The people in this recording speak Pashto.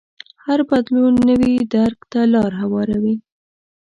هر بدلون نوي درک ته لار هواروي.